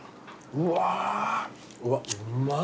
うわうまっ！